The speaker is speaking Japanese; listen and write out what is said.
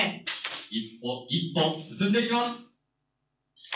一歩一歩進んでいきます。